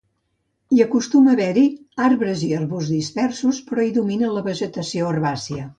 Hi acostuma a haver-hi arbres i arbusts dispersos, però hi domina la vegetació herbàcia.